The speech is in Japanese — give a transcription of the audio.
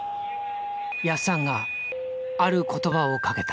やっさんがある言葉をかけた。